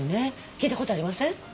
聞いたことありません？